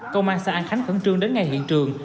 công an xã an khánh khẩn trương đến ngay hiện trường